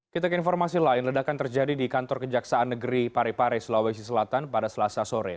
kita ke informasi lain ledakan terjadi di kantor kejaksaan negeri parepare sulawesi selatan pada selasa sore